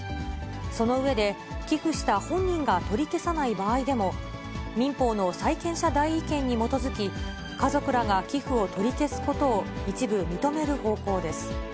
その上で、寄付した本人が取り消さない場合でも、民法の債権者代位権に基づき、家族らが寄付を取り消すことを一部、認める方向です。